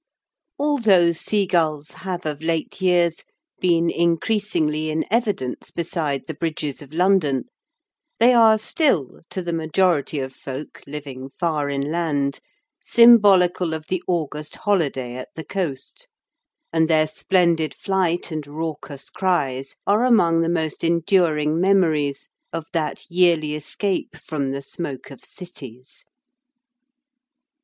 Although seagulls have of late years been increasingly in evidence beside the bridges of London, they are still, to the majority of folk living far inland, symbolical of the August holiday at the coast, and their splendid flight and raucous cries are among the most enduring memories of that yearly escape from the smoke of cities.